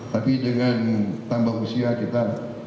tapi dengan tambah usia kita